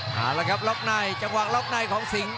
เอาละครับล็อกในจังหวะล็อกในของสิงห